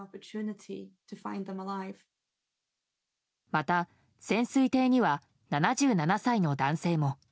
また、潜水艇には７７歳の男性も。